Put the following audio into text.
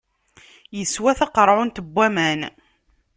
Yeswa taqeṛɛunt n waman.